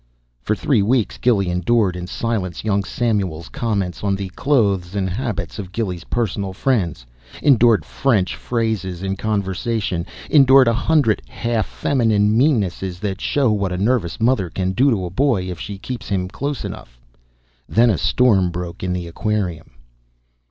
For three weeks Gilly endured in silence young Samuel's comments on the clothes and habits of Gilly's personal friends, endured French phrases in conversation, endured a hundred half feminine meannesses that show what a nervous mother can do to a boy, if she keeps close enough to him then a storm broke in the aquarium.